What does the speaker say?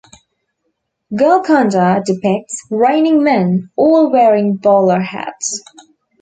"Golconda" depicts "raining men" all wearing bowler hats.